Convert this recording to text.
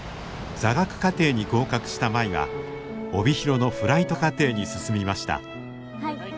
座学課程に合格した舞は帯広のフライト課程に進みました。